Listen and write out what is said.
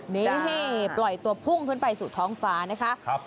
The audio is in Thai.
นี่ปล่อยตัวพุ่งขึ้นไปสู่ท้องฟ้านะคะ